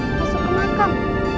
masuk ke makam